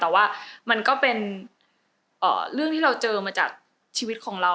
แต่ว่ามันก็เป็นเรื่องที่เราเจอมาจากชีวิตของเรา